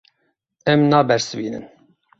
Em nabersivînin.